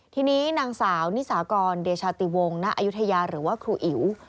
ทีนี้นางสาวนิสากรเดชาติวงณอายุทยาหรือว่าครูอิ๋ว